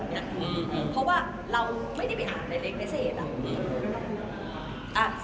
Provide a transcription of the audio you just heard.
เพราะว่าเราไม่ได้ไปหาในเล็กในเสร็จ